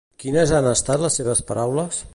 Quines han estat les seves paraules?